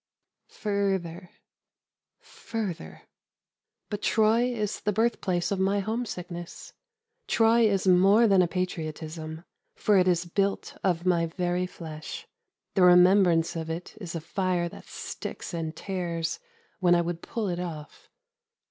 Further, further. But Troy is the birth place of my home sickness. Troy is more than a patriotism, for it is built of my very flesh ; the remembrance of it is a fire that sticks and tears when I would pull it off.